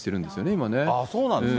今そうなんですか。